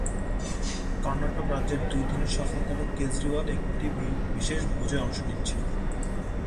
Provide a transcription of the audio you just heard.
কর্ণাটক রাজ্যে দুই দিনের সফরকালে কেজরিওয়াল একটি বিশেষ ভোজে অংশ নিচ্ছেন।